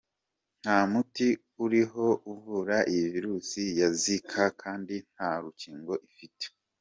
Nta muti uriho uvura iyi Virus ya Zika kandi nta n’urukingo ifite.